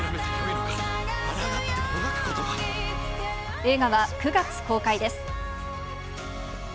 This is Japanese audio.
映画は９月公開です。